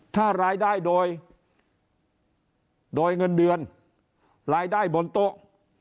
ถ้ารายได้โดยเงินเดือนรายได้บนโต๊ะ